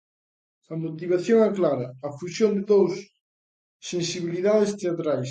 A motivación é clara: a fusión de dous sensibilidades teatrais.